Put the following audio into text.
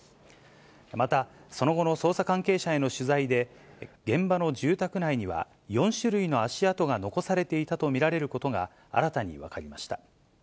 また、その後の捜査関係者への取材で、現場の住宅内には、４種類の足跡が残されていたと見られることが新たに分かりました。